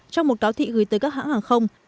trong một cáo thị gửi tới các hãng hàng không